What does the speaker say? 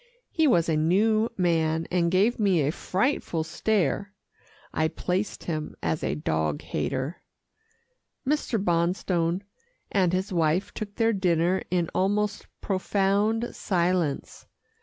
He was a new man, and gave me a frightful stare. I placed him as a dog hater. Mr. Bonstone and his wife took their dinner in almost profound silence.